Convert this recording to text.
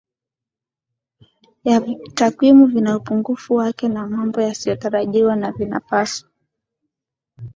vya takwimu vina upungufu wake na mambo yasiyotarajiwa na vinapaswa